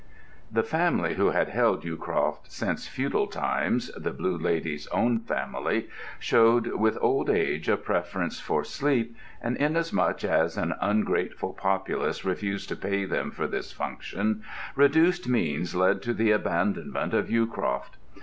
The family who had held Yewcroft since feudal times, the Blue Lady's own family, showed with old age a preference for sleep, and inasmuch as an ungrateful populace refused to pay them for this function, reduced means led to the abandonment of Yewcroft.